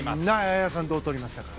綾さんどうとりましたか？